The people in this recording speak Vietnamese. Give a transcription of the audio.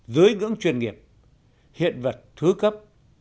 dưới ngưỡng chuyên nghiệp hiện vật thứ cấp